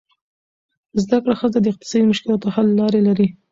زده کړه ښځه د اقتصادي مشکلاتو حل لارې لري.